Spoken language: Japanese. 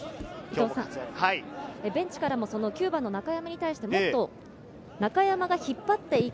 ベンチからも９番の中山に対して、もっと中山が引っ張っていけ！